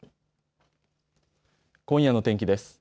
今夜の天気です。